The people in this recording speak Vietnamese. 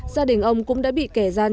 gia đình ông cũng đã bị kẻ gian